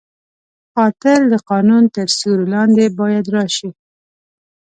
قاتل د قانون تر سیوري لاندې باید راشي